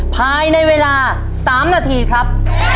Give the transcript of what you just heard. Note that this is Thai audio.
ภายในเวลา๓นาทีครับ